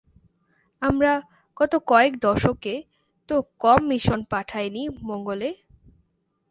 আমরা গত কয়েক দশকে তো কম মিশন পাঠাইনি মঙ্গলে।